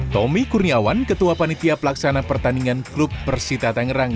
tommy kurniawan ketua panitia pelaksana pertandingan klub persita tangerang